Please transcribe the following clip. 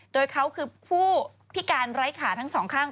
โดยเขาคือผู้พิการไร้ขาทั้งสองข้าง